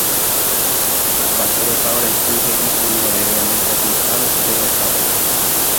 Mba'érepa ore sy he'íkuri oréve ndaikatuiha rosẽ okápe